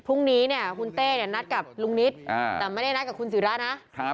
พรุ่งนี้เนี่ยคุณเต้เนี่ยนัดกับลุงนิตแต่ไม่ได้นัดกับคุณศิรานะ